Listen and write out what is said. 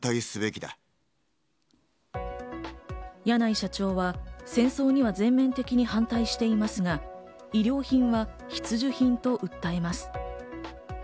柳井社長は戦争には全面的に反対していますが、衣料品は必需品と訴えます。